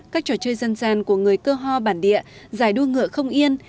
các trò chơi dân gian của người cơ ho bản địa giải đua ngựa không yên